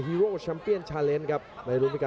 โหโหโหโหโหโหโหโหโหโหโหโหโหโห